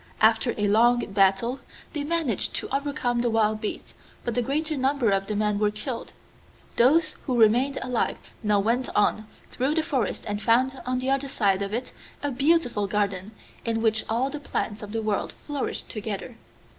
After a long battle they managed to overcome the wild beasts, but the greater number of the men were killed. Those who remained alive now went on through the forest and found on the other side of it a beautiful garden, in which all the plants of the world flourished together.